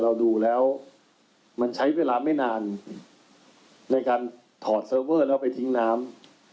เราดูแล้วมันใช้เวลาไม่นานในการถอดเซอร์เวอร์แล้วไปทิ้งน้ำ